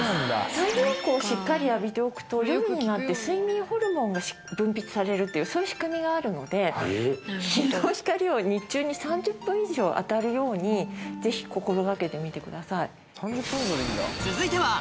太陽光をしっかり浴びておくと夜になって睡眠ホルモンが分泌される仕組みがあるので日の光を日中に３０分以上当たるようにぜひ心掛けてみてください。